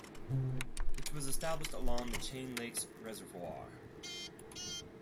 It was established along the Chain Lakes Reservoir.